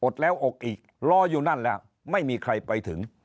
แล้วอกอีกรออยู่นั่นแล้วไม่มีใครไปถึง